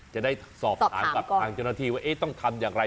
จะได้สอบถามกับทางเจ้าหน้าที่ว่าต้องทำอย่างไร